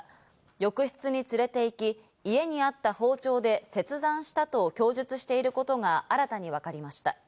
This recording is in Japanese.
浴室に連れて行き、家にあった包丁で切断したと供述していることが新たにわかりました。